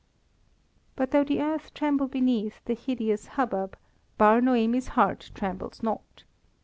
But though the earth tremble beneath the hideous hubbub, Bar Noemi's heart trembles not.